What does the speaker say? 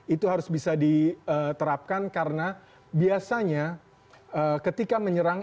itu harus bisa diterapkan karena biasanya ketika menyerang